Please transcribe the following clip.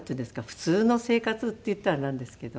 普通の生活っていったらあれなんですけど。